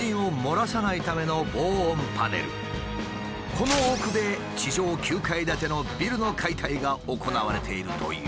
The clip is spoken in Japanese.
この奥で地上９階建てのビルの解体が行われているという。